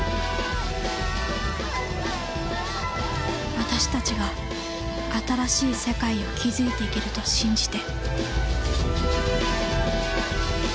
私たちが新しい世界を築いていけると信じて。